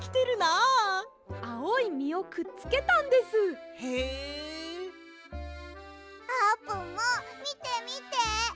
あーぷんもみてみて。